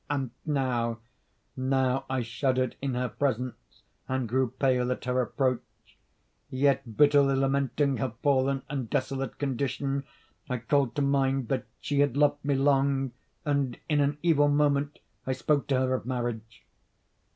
And now—now I shuddered in her presence, and grew pale at her approach; yet, bitterly lamenting her fallen and desolate condition, I called to mind that she had loved me long, and, in an evil moment, I spoke to her of marriage.